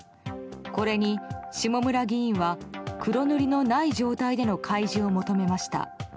これに下村議員は黒塗りのない状態での開示を求めました。